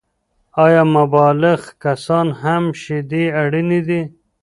آیا بالغ کسان هم شیدې اړینې دي؟